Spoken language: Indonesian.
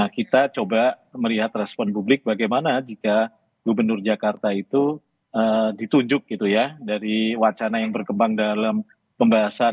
kita coba melihat respon publik bagaimana jika gubernur jakarta itu ditunjuk gitu ya dari wacana yang berkembang dalam pembahasan